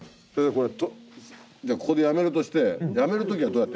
これここでやめるとしてやめる時はどうやってやるんすか？